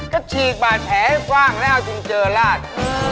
ก็ฉีกบาดแผลให้กว้างแล้วเอาจริงเจอลาด